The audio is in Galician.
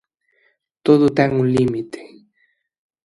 Todo ten un límite.